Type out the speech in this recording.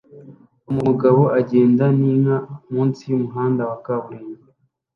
Umugabo agenda n'inka munsi yumuhanda wa kaburimbo